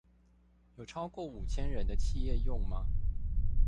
有超過五千人的企業用嗎？